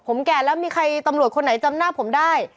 ผมแก่แล้วมีใครตำรวจคนไหนจำหน้าผมได้